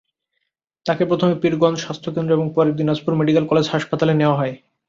তাঁকে প্রথমে পীরগঞ্জ স্বাস্থ্যকেন্দ্র এবং পরে দিনাজপুর মেডিকেল কলেজ হাসপাতালে নেওয়া হয়।